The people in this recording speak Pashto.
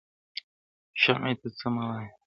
شمعي ته څه مه وایه-!